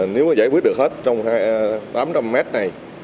nếu mà giải quyết được hết trong tám trăm linh mét này